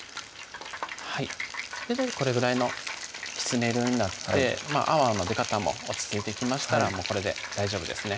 大体これぐらいのきつね色になって泡の出方も落ち着いてきましたらもうこれで大丈夫ですね